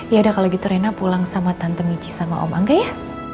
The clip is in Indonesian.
yaudah kalau gitu rena pulang sama tante michi sama om angga ya